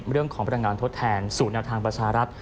เรื่องของพลังงานทดแทนสู่แนวทางประชารัฐ